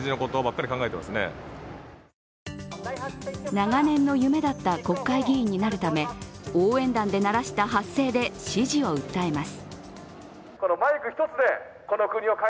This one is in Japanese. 長年の夢だった国会議員になるため、応援団でならした発声で支持を訴えます。